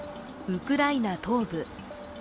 ウクライナ東部。